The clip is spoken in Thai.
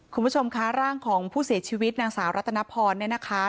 คุณผู้ชมคะร่างของผู้เสียชีวิตนางสาวรัตนพรเนี่ยนะคะ